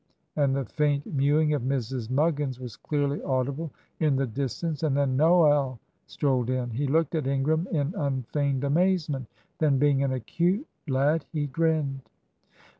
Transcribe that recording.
and the faint mewing of Mrs. Muggins was clearly audible in the distance and then Noel strolled in. He looked at Ingram in unfeigned amazement; then, being an acute lad, he grinned.